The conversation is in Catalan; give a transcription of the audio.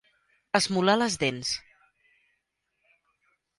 Esmolar les dents.